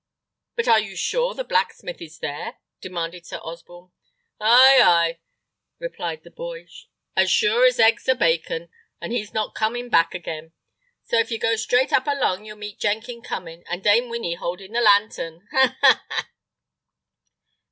"But are you sure the blacksmith is there?" demanded Sir Osborne. "Oy, oy!" replied the boy; "as sure as eggs are bacon, if he's not coming back again. So, if ye go straight up along, you'll meet Jenkin coming, and Dame Winny holding the lantern. Ha! ha!